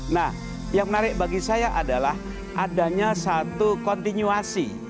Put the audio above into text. nah yang menarik bagi saya adalah adanya satu kontinuasi